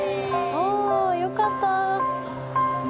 およかった。